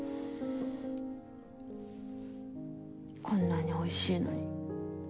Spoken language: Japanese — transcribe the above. こんなに美味しいのに。